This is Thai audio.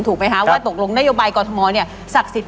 ถูกไหมฮะว่าตกลงนัยโยบายกรธมเนี้ย